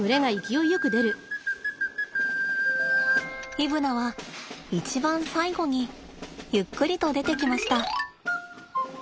イブナは一番最後にゆっくりと出てきました。